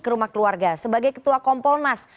ke rumah keluarga sebagai ketua kompolnas